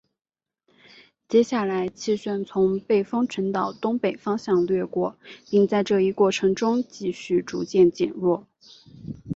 接下来气旋从背风群岛东北方向掠过并在这一过程中继续逐渐减弱。